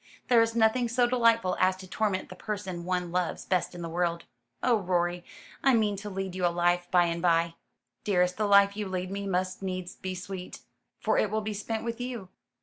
"There is nothing so delightful as to torment the person one loves best in the world. Oh, Rorie, I mean to lead you a life by and by!" "Dearest, the life you lead me must needs be sweet, for it will be spent with you."